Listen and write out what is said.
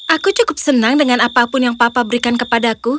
aku cukup senang dengan apapun yang papa berikan kepadaku